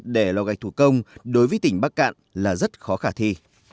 để lò gạch thủ công đối với tỉnh bắc cạn là rất khó khả thi